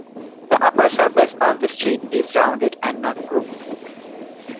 The upper surface of the stipe is rounded and not grooved.